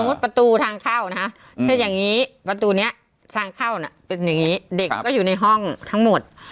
สมมุติประตูทางเข้านะครับเช่นอย่างงี้ประตูเนี่ยทางเข้าเป็นอย่างงี้เด็กก็อยู่ในห้องทั้งหมด